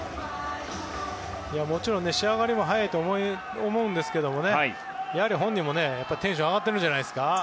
もちろん仕上がりも早いと思うんですけど本人もテンションが上がってるんじゃないですか。